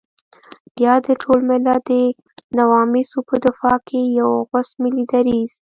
يا د ټول ملت د نواميسو په دفاع کې يو غوڅ ملي دريځ.